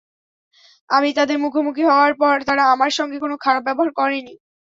আমি তাদের মুখোমুখি হওয়ার পর, তারা আমার সঙ্গে কোনো খারাপ ব্যবহার করেনি।